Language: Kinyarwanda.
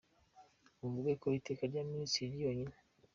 Bavuga ko Iteka rya Minisitiri ryonyine.